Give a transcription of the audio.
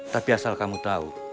tapi asal kamu tau